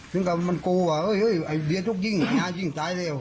ซึ่งก็มันโกว่าเฮ้ยเฮ้ยไอ้เดียทุกยิงไอ้ยาทุกยิงตายแล้ว